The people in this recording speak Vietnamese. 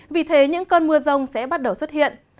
vì thế những cơn mưa rông sẽ bắt đầu xuất hiện